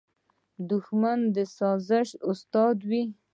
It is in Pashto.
دښمن د سازش استاد وي